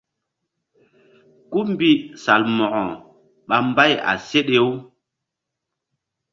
Kú mbi Salmo̧ko ɓa mbay a seɗe-u.